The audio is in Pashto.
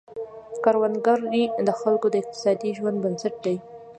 کروندګري د خلکو د اقتصادي ژوند بنسټ دی.